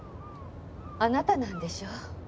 あなたなんでしょ？